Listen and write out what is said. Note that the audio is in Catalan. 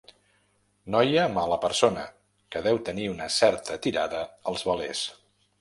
Noia mala persona que deu tenir una certa tirada als velers.